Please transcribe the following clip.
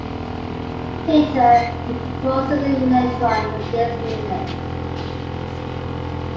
Later, he proposed the name "electron" for this unit.